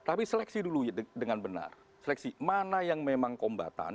tapi seleksi dulu dengan benar seleksi mana yang memang kombatan